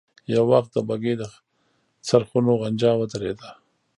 يو وخت د بګۍ د څرخونو غنجا ودرېده.